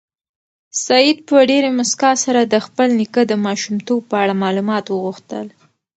سعید په ډېرې موسکا سره د خپل نیکه د ماشومتوب په اړه معلومات وغوښتل.